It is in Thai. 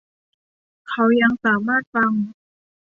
เขายังสามารถฟัง